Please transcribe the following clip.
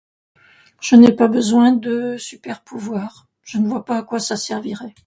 Je n'ai pas besoin de super pouvoirs. Je ne vois pas à quoi ça servirait.